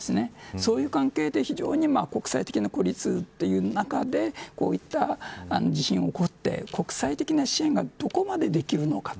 そういう関係で非常に国際的な孤立という中でこういった地震が起こって国際的な支援がどこまでできるのかと。